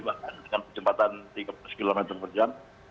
dengan kecepatan tiga puluh km per jam